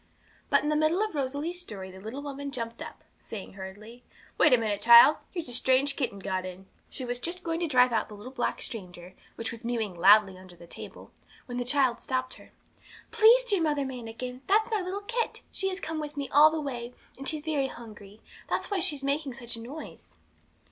But in the middle of Rosalie's story the little woman jumped up, saying hurriedly 'Wait a minute, child; here's a strange kitten got in.' She was just going to drive out the little black stranger, which was mewing loudly under the table, when the child stopped her. 'Please dear Mother Manikin, that's my little kit; she has come with me all the way, and she's very hungry that's why she makes such a noise.'